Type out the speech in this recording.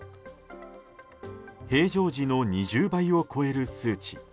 平常時の２０倍を超える数値。